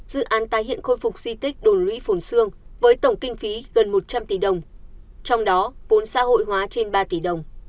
dự án tái hiện khôi phục di tích đồn lũy phủn sương với tổng kinh phí gần một trăm linh tỷ đồng trong đó vốn xã hội hóa trên ba tỷ đồng